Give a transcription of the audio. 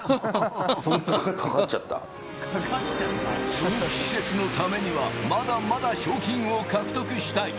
その施設のためにはまだまだ賞金を獲得したい。